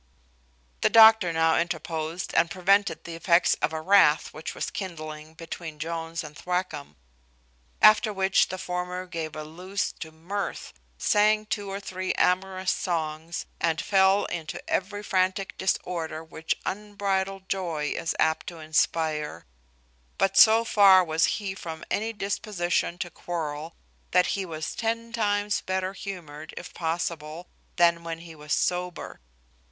The doctor now interposed, and prevented the effects of a wrath which was kindling between Jones and Thwackum; after which the former gave a loose to mirth, sang two or three amorous songs, and fell into every frantic disorder which unbridled joy is apt to inspire; but so far was he from any disposition to quarrel, that he was ten times better humoured, if possible, than when he was sober.